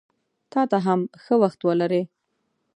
تاته هم ښه وخت ولرې!